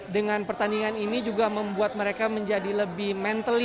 dengan pertandingan ini juga membuat mereka menjadi lebih mental